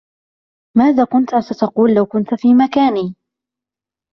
ماذا كنتَ ستقول لو كنت في مكاني؟